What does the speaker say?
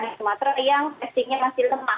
di sumatera yang testingnya masih lemah